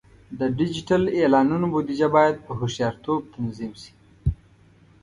د ډیجیټل اعلانونو بودیجه باید په هوښیارتوب تنظیم شي.